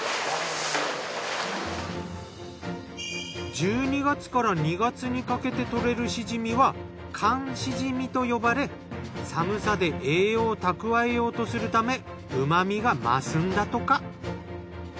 １２月から２月にかけて採れるシジミは寒シジミと呼ばれ寒さで栄養を蓄えようとするためうま味が増すんだとか。